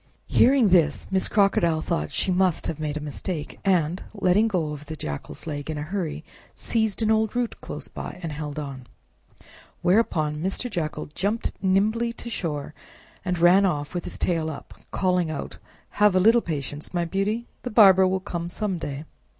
Hearing this, Miss Crocodile thought she must have made a mistake, and, letting go the Jackal's leg in a hurry, seized an old root close by, and held on. Whereupon Mr. Jackal jumped nimbly to shore, and ran off with his tail up, calling out, "Have a little patience, my beauty! The barber will come some day!"